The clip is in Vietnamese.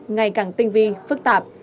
ngày càng tinh vi phức tạp